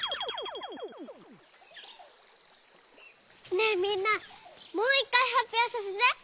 ねえみんなもういっかいはっぴょうさせて。